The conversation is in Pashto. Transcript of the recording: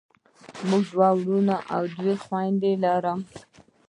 زه دوه وروڼه او دوه خویندی لرم.